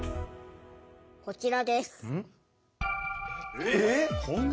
こちらです。